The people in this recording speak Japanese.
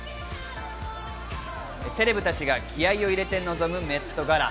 セレブたちが気合いを入れて臨むメットガラ。